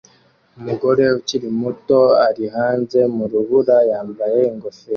Umugore ukiri muto ari hanze mu rubura yambaye ingofero